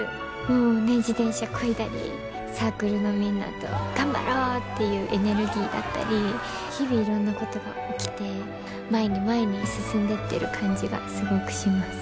もうね自転車こいだりサークルのみんなと頑張ろうっていうエネルギーだったり日々いろんなことが起きて前に前に進んでってる感じがすごくします。